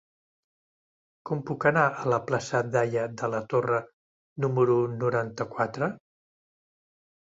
Com puc anar a la plaça d'Haya de la Torre número noranta-quatre?